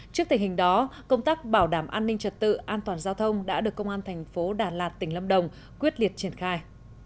trước tình hình đó công tác bảo đảm an ninh trật tự an toàn giao thông đã được công an thành phố đà lạt tỉnh lâm đồng quyết liệt triển khai